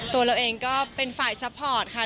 ตัวเราเองก็เป็นฝ่ายซัพพอร์ตค่ะ